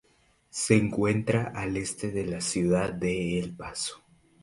Se encuentra al este de la ciudad de El Paso.